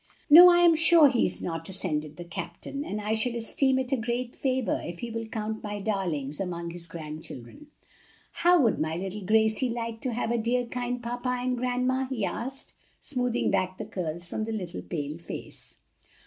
"No, I am sure he is not," assented the captain, "and I shall esteem it a great favor if he will count my darlings among his grandchildren. How would my little Gracie like to have a dear kind grandpa and grandma?" he asked, smoothing back the curls from the little pale face.